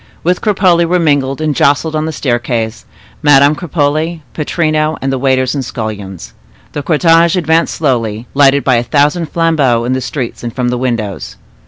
With Cropole were mingled, and jostled, on the staircase, Madame Cropole, Pittrino, and the waiters and scullions. The cortege advanced slowly, lighted by a thousand flambeaux, in the streets and from the windows.